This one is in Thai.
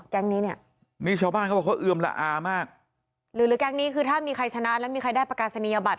แก๊งนี้เนี่ยนี่ชาวบ้านเขาบอกเขาเอือมละอามากหรือหรือแก๊งนี้คือถ้ามีใครชนะแล้วมีใครได้ประกาศนียบัตร